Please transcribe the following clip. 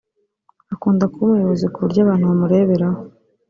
Akunda kuba umuyobozi ku buryo abantu bamureberaho